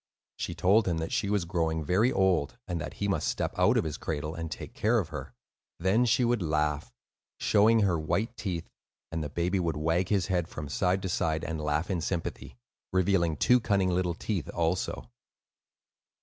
She told him that she was growing very old now; that he must step out of his cradle and take care of her. Then she would laugh, showing her white teeth, and the baby would wag his head from side to side, and laugh in sympathy, revealing two cunning little teeth also.